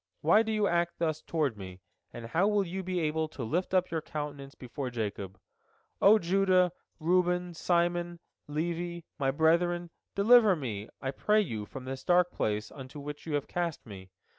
Why do you act thus toward me? And how will you be able to lift up your countenance before Jacob? O Judah, Reuben, Simon, Levi, my brethren, deliver me, I pray you, from the dark place into which you have cast me.